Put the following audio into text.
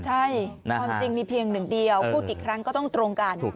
ใช่ความจริงมีเพียงหนึ่งเดียวพูดกี่ครั้งก็ต้องตรงกัน